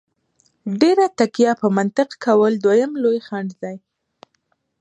ډېره تکیه په منطق کول دویم لوی خنډ دی.